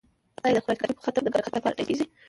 آیا د قران کریم ختم د برکت لپاره نه کیږي؟